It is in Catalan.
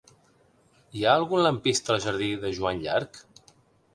Hi ha algun lampista al jardí de Joan Llarch?